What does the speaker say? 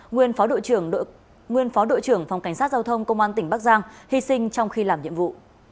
nguyên phó đội trưởng phòng cảnh sát giao thông công an tỉnh bắc giang hy sinh trong khi làm nhiệm vụ